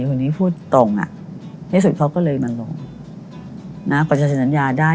วันนี้พูดตรงอ่ะในสุดเขาก็เลยมาลงนะก่อนจะจำนยายได้